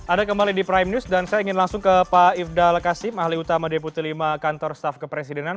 ada kembali di prime news dan saya ingin langsung ke pak ifdal kasim ahli utama deputi lima kantor staf kepresidenan